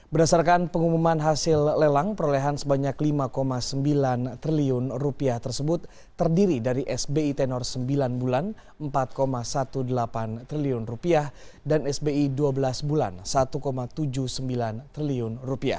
berdasarkan pengumuman hasil lelang perolehan sebanyak rp lima sembilan triliun tersebut terdiri dari sbi tenor rp sembilan bulan rp empat delapan belas triliun dan sbi dua belas bulan rp satu tujuh puluh sembilan triliun